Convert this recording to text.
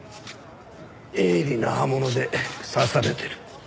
鋭利な刃物で刺されてる。